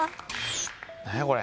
何やこれ。